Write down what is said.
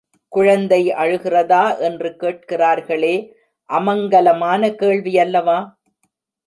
குழந்தை அழுகிறதா என்று கேட்கிறார்களே அமங்கலமான கேள்வி அல்லவா?